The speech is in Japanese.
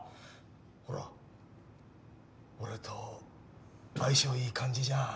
ほら俺と相性いい感じじゃん。